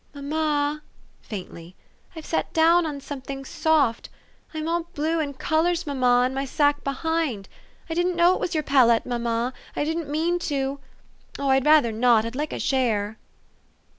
" Mamma,'* faintly, " I've sat down on some fing soft. I'm all blue and colors, mamma, on my sack behind. I didn't know it was your palette, mamma. I didn't mean to. Oh ! I'd rather not. I'd like a shair !